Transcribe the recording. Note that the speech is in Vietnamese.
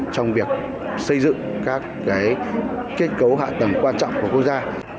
trong việc xây dựng các kết cấu hạ tầng quan trọng của quốc gia